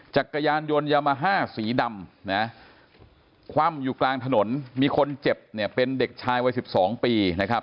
จักรยานยนต์ยามาฮ่าสีดำนะคว่ำอยู่กลางถนนมีคนเจ็บเนี่ยเป็นเด็กชายวัย๑๒ปีนะครับ